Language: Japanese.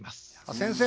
先生